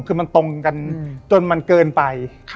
คือมันตรงกันจนมันเกินไป